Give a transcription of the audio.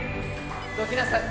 どきなさい。